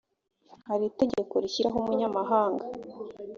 hari itegeko rishyiraho umunyamabanga